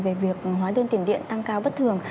về việc hóa đơn tiền điện tăng cao bất thường